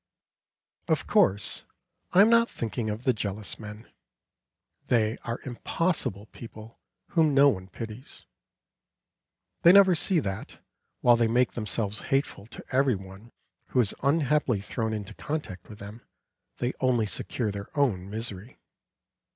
Of course I am not thinking of the jealous men. They are impossible people whom no one pities. They never see that, while they make themselves hateful to every one who is unhappily thrown into contact with them, they only secure their own misery.